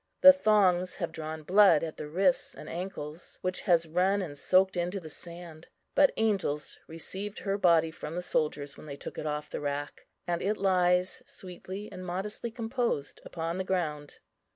The thongs have drawn blood at the wrists and ankles, which has run and soaked into the sand; but angels received the body from the soldiers when they took it off the rack, and it lies, sweetly and modestly composed, upon the ground.